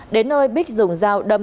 đến nơi bích dùng dao đâm